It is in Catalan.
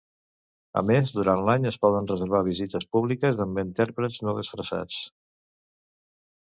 A més, durant l'any, es poden reservar visites públiques amb intèrprets no desfressats.